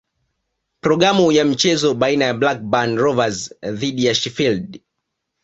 Programu ya mchezo baina ya Blackburn Rovers dhidi ya Sheffield